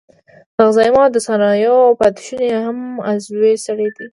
د غذایي موادو د صنایعو پاتې شونې هم عضوي سرې دي.